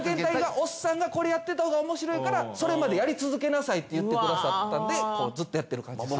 おっさんがこれやってたほうがおもしろいからそれまでやり続けなさいって言ってくださったんでずっとやってる感じです。